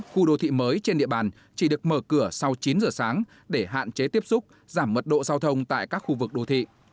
khu đô thị mới trên địa bàn chỉ được mở cửa sau chín giờ sáng để hạn chế tiếp xúc giảm mật độ giao thông tại các khu vực đô thị